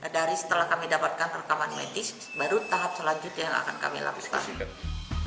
dari setelah kami dapatkan rekaman medis baru tahap selanjutnya yang akan kami lakukan